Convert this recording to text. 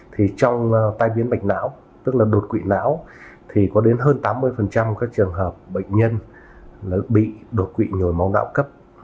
thì trong tai biến bạch não tức là đột quỵ não thì có đến hơn tám mươi các trường hợp bệnh nhân bị đột quỵ nhồi máu đạo cấp